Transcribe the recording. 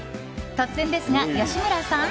突然ですが、吉村さん。